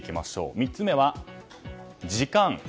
３つ目は時間。